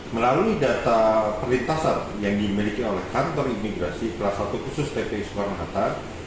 melalui data perlintasan yang dimiliki oleh kantor imigrasi kelas satu khusus tpi soekarno hatta